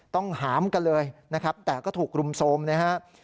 หามกันเลยนะครับแต่ก็ถูกรุมโทรมนะครับ